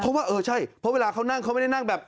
เพราะว่าเออใช่เพราะเวลาเขานั่งเขาไม่ได้นั่งแบบ